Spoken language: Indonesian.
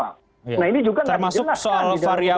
nah ini juga tidak dijelaskan di dalam undang undang baru ini